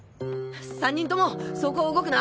３人ともそこを動くな。